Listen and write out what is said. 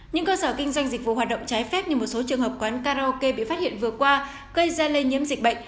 những cơ sở kinh doanh dịch vụ hoạt động trái phép như một số trường hợp quán karaoke bị phát hiện vừa qua gây ra lây nhiễm dịch bệnh